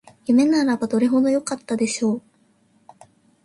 夢ならばどれほどよかったでしょう